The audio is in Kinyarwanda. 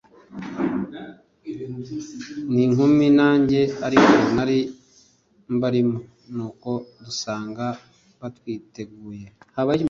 n’inkumi nange ariko nari mbarimo. Nuko dusanga batwiteguye,